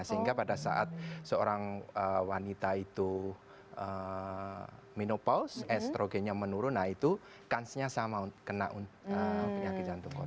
sehingga pada saat seorang wanita itu menopaus estrogennya menurun nah itu kansnya sama kena penyakit jantung koro